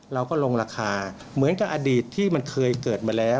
เราก็ลงราคาเหมือนกับอดีตที่มันเคยเกิดมาแล้ว